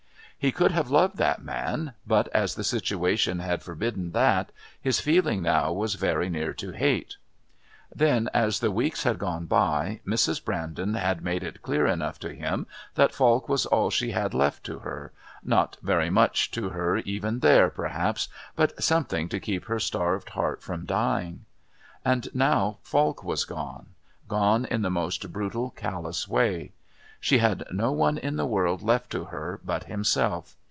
He could have loved that man, but as the situation had forbidden that, his feeling now was very near to hate. Then, as the weeks had gone by, Mrs. Brandon had made it clear enough to him that Falk was all that she had left to her not very much to her even there, perhaps, but something to keep her starved heart from dying. And now Falk was gone, gone in the most brutal, callous way. She had no one in the world left to her but himself.